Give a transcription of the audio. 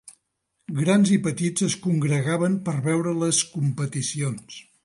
Grans i petits es congregaven per veure les competicions.